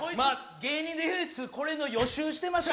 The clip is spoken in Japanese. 芸人で唯一これの予習してました。